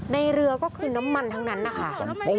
ในเรือก็คือน้ำมันทั้งนั้นนะคะ